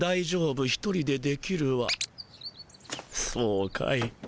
そうかい？